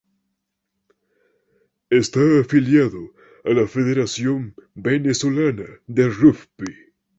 Está afiliado a la Federación Venezolana de Rugby.